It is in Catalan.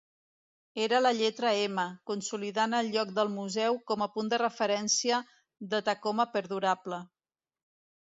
Era la lletra M, consolidant el lloc del museu com a punt de referència de Tacoma perdurable.